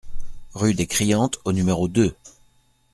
Rue des Criantes au numéro deux